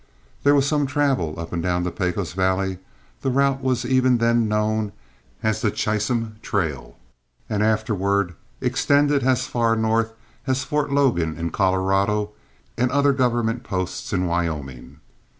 There was some travel up and down the Pecos valley, the route was even then known as the Chisum trail, and afterward extended as far north as Fort Logan in Colorado and other government posts in Wyoming.